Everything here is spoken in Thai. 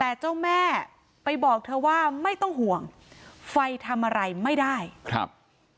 แต่เจ้าแม่ไปบอกเธอว่าไม่ต้องห่วงไฟทำอะไรไม่ได้ครับ